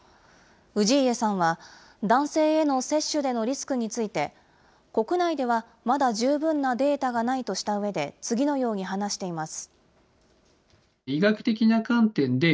氏家さんは男性への接種でのリスクについて、国内ではまだ十分なデータがないとしたうえで、次のように話しています。